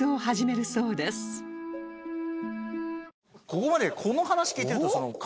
ここまでこの話聞いてると彼女とか。